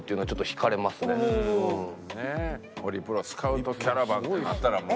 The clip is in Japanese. ホリプロスカウトキャラバンってなったらもう。